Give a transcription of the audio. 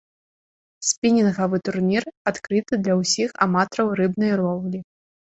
Спінінгавы турнір адкрыты для ўсіх аматараў рыбнай лоўлі.